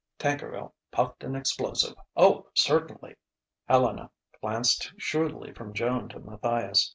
Tankerville puffed an explosive: "Oh certainly!" Helena glanced shrewdly from Joan to Matthias.